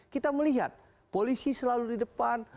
kita melihat polisi selalu di depan